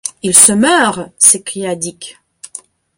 Il se meurt! s’écria Dick.